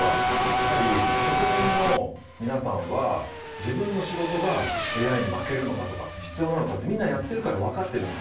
やはり職人の皆さんは自分の仕事がＡＩに負けるのかとか必要なのかってみんなやってるからわかってるんですよ。